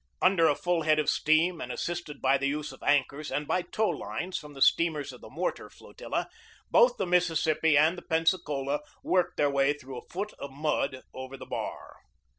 Under a full head of steam, and assisted by the use of anchors and by tow lines from the steamers of the mortar flotilla, both the Mississippi and the Pensa cola worked their way through a foot of mud over the bar.